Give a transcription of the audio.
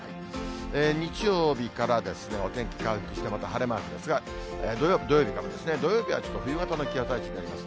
日曜日からですね、お天気回復して、また晴れマークですが、土曜日からですね、土曜日はちょっと冬型の気圧配置になります。